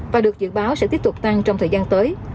và được dự báo sẽ tiếp tục tăng trong thời gian tới